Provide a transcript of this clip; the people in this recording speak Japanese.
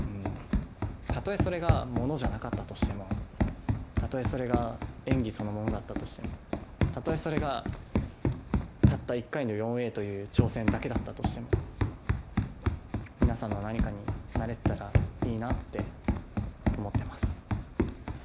たとえそれがものじゃなかったとしてもたとえ、それが演技そのものだったとしてもたとえそれがたった１回の４Ａという挑戦だけだったとしても皆さんの何かになれてたらいいなって思ってます。